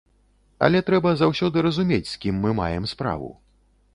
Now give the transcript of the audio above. Але трэба заўсёды разумець з кім мы маем справу.